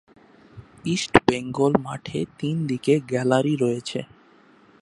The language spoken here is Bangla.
ইস্টবেঙ্গল মাঠে তিন দিকে গ্যালারি রয়েছে।